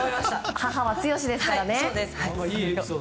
母は強しですからね。